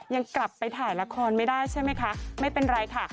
ยังกลับไปถ่ายละครไม่ได้ใช่ไหมคะไม่เป็นไรค่ะ